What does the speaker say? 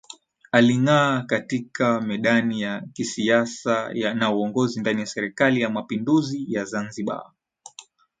Alingaa katika medani za kisiasa na uongozi ndani ya Serikali ya Mapinduzi ya Zanzibar